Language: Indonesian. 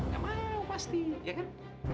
gak mau pasti ya kan